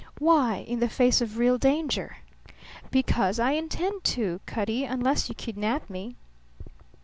"Why? In the face of real danger?" "Because I intend to, Cutty unless you kidnap me."